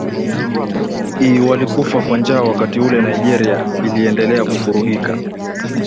i walikufa kwa njaa wakati ule Nigeria iliendelea kuvurugika